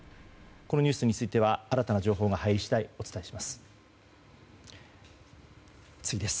このニュースについては新たな情報が入り次第お伝えします。